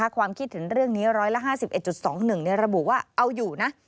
ความคิดถึงเรื่องนี้๑๕๑๒๑ระบุว่าเอาอยู่นะ